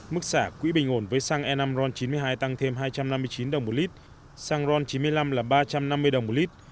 mức xả quỹ bình ổn với xăng e năm ron chín mươi hai tăng thêm hai trăm năm mươi chín đồng một lít xăng ron chín mươi năm là ba trăm năm mươi đồng một lít